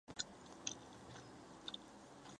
家庭成员赚的钱